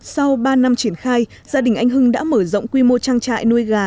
sau ba năm triển khai gia đình anh hưng đã mở rộng quy mô trang trại nuôi gà